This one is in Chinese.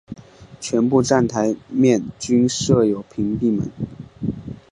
全部站台面均设有屏蔽门。